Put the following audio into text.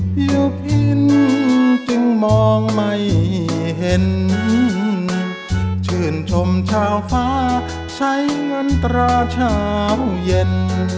เที่ยวพินจึงมองไม่เห็นชื่นชมชาวฟ้าใช้เงินตราเช้าเย็น